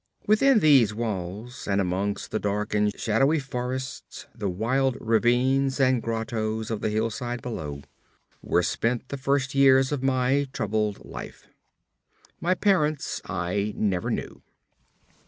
Within these walls, and amongst the dark and shadowy forests, the wild ravines and grottoes of the hillside below, were spent the first years of my troubled life. My parents I never knew.